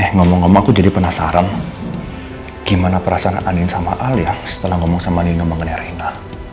ngomong ngomong aku jadi penasaran gimana perasaan anin sama alia setelah ngomong sama nino mengenai reina